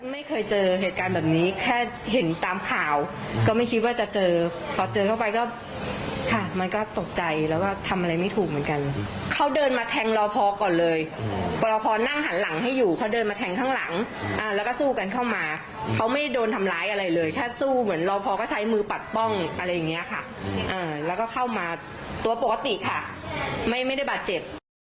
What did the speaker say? ไม่เคยเจอเหตุการณ์แบบนี้แค่เห็นตามข่าวก็ไม่คิดว่าจะเจอพอเจอเข้าไปก็ค่ะมันก็ตกใจแล้วก็ทำอะไรไม่ถูกเหมือนกันเขาเดินมาแทงรอพอก่อนเลยพอรอพอนั่งหันหลังให้อยู่เขาเดินมาแทงข้างหลังแล้วก็สู้กันเข้ามาเขาไม่โดนทำร้ายอะไรเลยแค่สู้เหมือนรอพอก็ใช้มือปัดป้องอะไรอย่างเงี้ยค่ะแล้วก็เข้ามาตัวปกติค่ะไม่ไม่ได้บาดเจ็บ